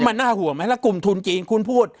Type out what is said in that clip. มันน่าห่วงไหมแล้วกลุ่มทุนจีนคุณพูด